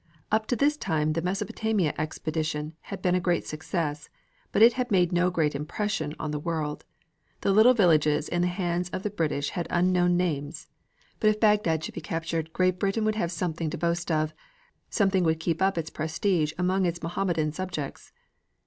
Up to this time the Mesopotamia Expedition had been a great success, but it had made no great impression on the world. The little villages in the hands of the British had unknown names, but if Bagdad should be captured Great Britain would have something to boast of; something would keep up its prestige among its Mohammedan subjects.